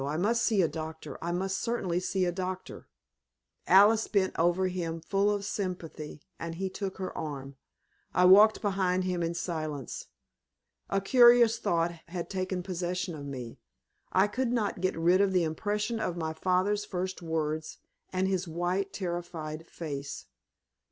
I must see a doctor; I must certainly see a doctor!" Alice bent over him full of sympathy, and he took her arm. I walked behind him in silence. A curious thought had taken possession of me. I could not get rid of the impression of my father's first words, and his white, terrified face.